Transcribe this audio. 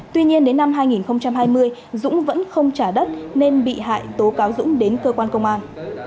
tuy nhiên đến năm hai nghìn hai mươi dũng vẫn không trả đất nên bị hại tố cáo dũng đến cơ quan công an